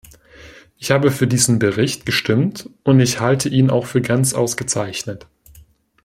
Ich habe für diesen Bericht gestimmt, und ich halte ihn auch für ganz ausgezeichnet.